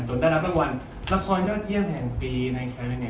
จนได้รับรางวัลละครยอดเยี่ยมแห่งปีในแคลร์นี้